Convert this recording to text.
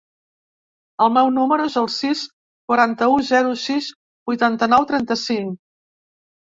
El meu número es el sis, quaranta-u, zero, sis, vuitanta-nou, trenta-cinc.